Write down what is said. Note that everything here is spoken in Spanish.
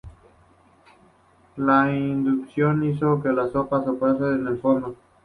La inundación hizo su popa posarse en el fondo.